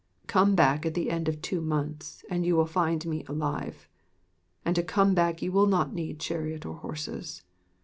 Come back at the end of two months and you will find me alive; and to come back you will not need chariot or horses.